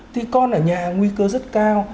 thì con ở nhà nguy cơ rất cao